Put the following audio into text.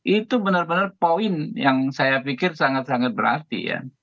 itu benar benar poin yang saya pikir sangat sangat berarti ya